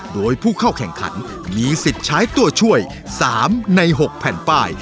โดยผู้เข้าแข่งขันมีสิทธิ์ใช้ตัวช่วย๓ใน๖แผ่นป้าย